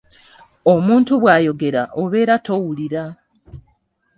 Omuntu bw’ayogera obeera tomuwulira.